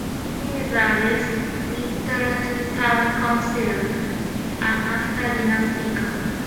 He is a Winterton Town Councillor and an after dinner speaker.